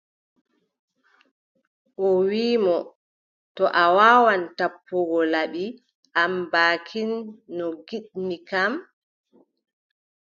O wiʼi mo : to a waawan tappugo laɓi am baakin no ngiɗmin kam,